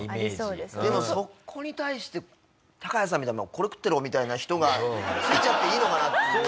でもそこに対してタカヤさんみたいな「これ食ってろ」みたいな人がついちゃっていいのかなっていう。